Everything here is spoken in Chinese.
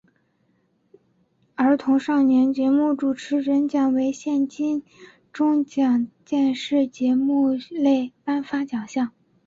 儿童少年节目主持人奖为现行金钟奖电视节目类颁发奖项。